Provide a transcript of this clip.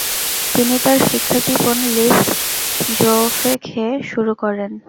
তিনি তার শিক্ষাজীবন লিস জোফেখে শুরু করেন।